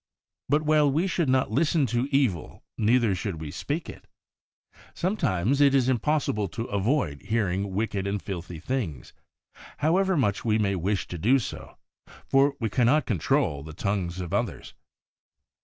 But while we should not listen to evil, neither should we speak it. Sometimes it is impossible to avoid hearing wicked and HOLINESS AND SANCTIFICATION 4 1 filthy things, however much we may wish to do so, for we cannot control the tongues of others.